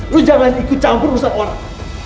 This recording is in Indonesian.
lu jangan ikut campur rusak orang